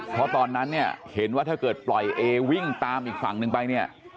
เพราะตอนนั้นเนี่ยเห็นว่าถ้าเกิดปล่อยเอวิ่งตามอีกฝั่งหนึ่งไปเนี่ย